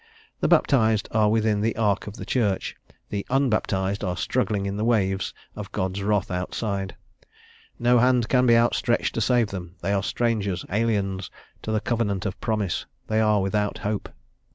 The baptized are within the ark of the Church; the unbaptized are struggling in the waves of God's wrath outside; no hand can be outstretched to save them; they are strangers, aliens, to the covenant of promise; they are without hope.